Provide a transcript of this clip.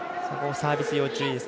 サービス、要注意です。